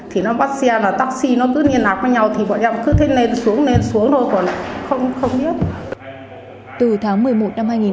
thì nó bắt xe là taxi nó cứ liên lạc với nhau thì bọn em cứ thế lên xuống lên xuống thôi còn không biết